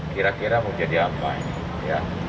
kira kira menjadi apa ini